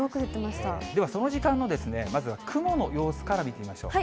ではその時間のまずは雲の様子から見てみましょう。